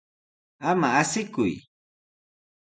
Ama asiyku.